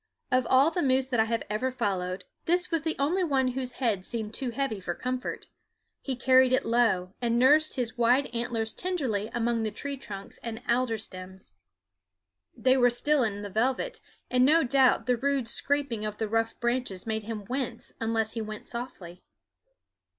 Of all the moose that I have ever followed, this was the only one whose head seemed too heavy for comfort. He carried it low, and nursed his wide antlers tenderly among the tree trunks and alder stems. They were still in the velvet, and no doubt the rude scraping of the rough branches made him wince unless he went softly.